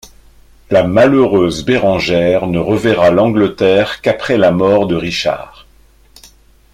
La malheureuse Bérengère ne reverra l’Angleterre qu’après la mort de Richard.